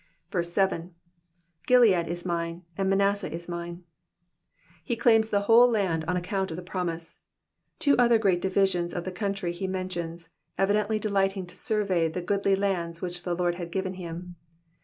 7. ^^ Gilead is mine, and Manassim is mine,'''' He claims the whole land on account of the promise. Two other great divisions of the country he mentions, evidently delighting to survey the goodly land which the Lord had given him.